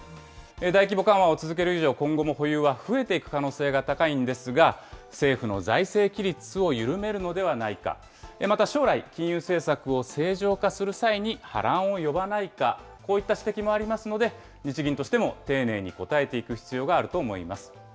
大規模緩和を続ける以上、今後も保有は増えていく可能性が高いんですが、政府の財政規律を緩めるのではないか、また将来、金融政策を正常化する際に波乱を呼ばないか、こういった指摘もありますので、日銀としても丁寧に答えていく必要があると思います。